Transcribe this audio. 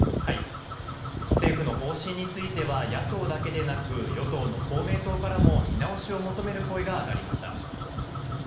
政府の方針については、野党だけでなく、与党の公明党からも、見直しを求める声が上がりました。